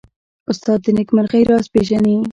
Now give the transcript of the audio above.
استاد د نېکمرغۍ راز پېژني.